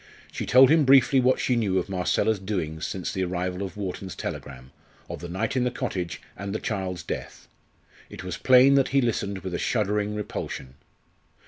She told him briefly what she knew of Marcella's doings since the arrival of Wharton's telegram of the night in the cottage, and the child's death. It was plain that he listened with a shuddering repulsion.